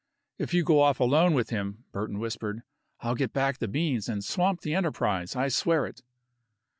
"If you go off alone with him," Burton whispered, "I'll get back the beans and swamp the enterprise. I swear it."